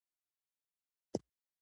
د مینې زخمونه مې د زړه په ژورو کې ښخ دي.